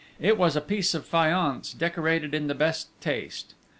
It was a piece of faience decorated in the best taste.